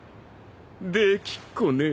できっこねえ。